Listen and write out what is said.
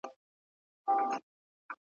تاوان مې په صبر سره تېر کړ.